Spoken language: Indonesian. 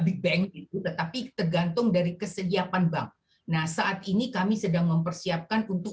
big bank itu tetapi tergantung dari kesediaan bank nah saat ini kami sedang mempersiapkan untuk